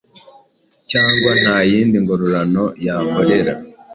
cyangwa nta yindi ngororano yakorera.